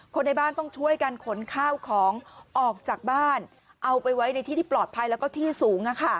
ในบ้านต้องช่วยกันขนข้าวของออกจากบ้านเอาไปไว้ในที่ที่ปลอดภัยแล้วก็ที่สูง